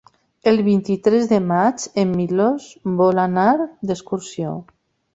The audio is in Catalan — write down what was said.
El vint-i-tres de maig en Milos vol anar d'excursió.